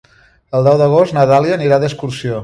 El deu d'agost na Dàlia anirà d'excursió.